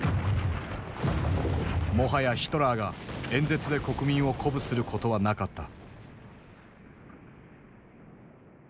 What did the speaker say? もはやヒトラーが演説で国民を鼓舞することはなかった。